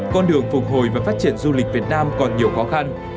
con đường phục hồi và phát triển du lịch việt nam còn nhiều khó khăn